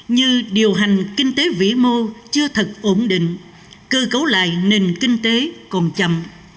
như điều hành kinh tế vĩ mô chưa thật ổn định cơ cấu lại nền kinh tế còn chậm